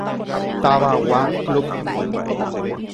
Tavagua club.